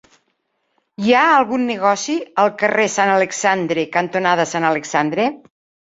Hi ha algun negoci al carrer Sant Alexandre cantonada Sant Alexandre?